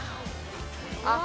あっ！